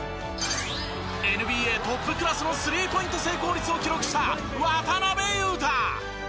ＮＢＡトップクラスのスリーポイント成功率を記録した渡邊雄太。